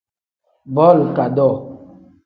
Booli kadoo.